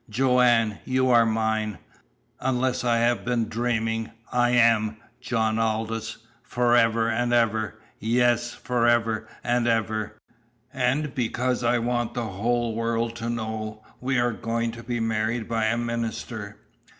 "Joanne, you are mine!" "Unless I have been dreaming I am, John Aldous!" "Forever and forever." "Yes, forever and ever." "And because I want the whole world to know, we are going to be married by a minister."